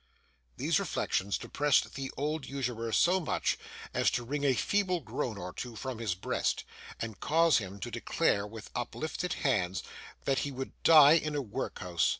These reflections depressed the old usurer so much, as to wring a feeble groan or two from his breast, and cause him to declare, with uplifted hands, that he would die in a workhouse.